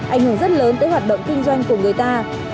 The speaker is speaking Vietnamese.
ảnh hưởng rất lớn tới hoạt động kinh doanh của người ta